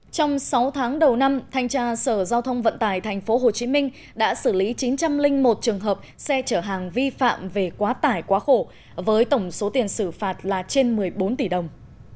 trong sáu tháng đầu năm thanh tra sở giao thông vận tải tp hcm đã xử lý chín trăm linh một trường hợp xe chở hàng vi phạm về quá tải quá khổ với tổng số tiền xử phạt là trên một mươi bốn tỷ đồng